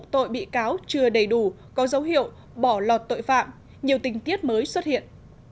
tội bị cáo chưa đầy đủ có dấu hiệu bỏ lọt tội phạm nhiều tình tiết mới xuất hiện